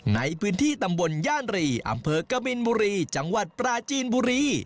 ในพื้นที่ตำบลย่านรีอำเภอกบินบุรีจังหวัดปราจีนบุรี